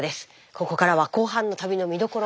ここからは後半の旅の見どころを。